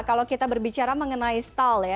kalau kita berbicara mengenai style ya